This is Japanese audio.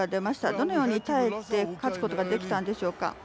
どのように耐えて勝つことができたんでしょうか？